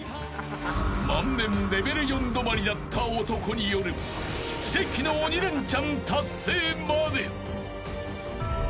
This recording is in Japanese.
［万年レベル４止まりだった男による奇跡の鬼レンチャン達成まで］